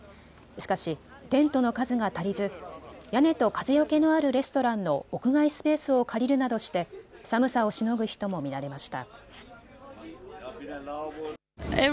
しかしテントの数が足りず屋根と風よけのあるレストランの屋外スペースを借りるなどして寒さをしのぐ人も見られました。